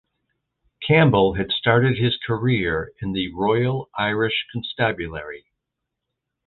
Campbell had started his career in the Royal Irish Constabulary.